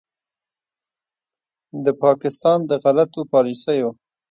د پاکستان د غلطو پالیسیو